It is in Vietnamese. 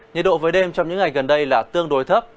nhiệt độ với đêm trong những ngày gần đây là tương đối thấp